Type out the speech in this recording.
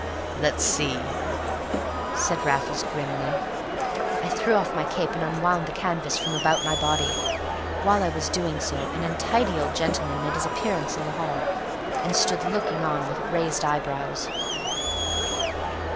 "Let's see," said Raffles grimly. I threw off my cape and unwound the canvas from about my body. While I was doing so an untidy old gentleman made his appearance in the hall, and stood looking on with raised eyebrows.